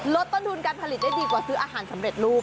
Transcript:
ลดต้นทุนการผลิตได้ดีกว่าซื้ออาหารสำเร็จรูป